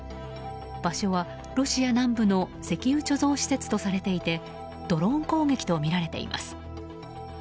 場所は、ロシア南部の石油貯蔵施設とされていてドローン攻撃とみられています。